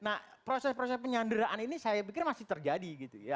nah proses proses penyanderaan ini saya pikir masih terjadi gitu ya